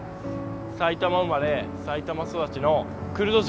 埼玉生まれ埼玉育ちのクルド人。